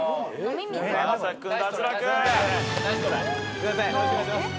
すいません。